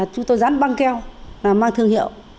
chúng tôi dán băng keo mang thương hiệu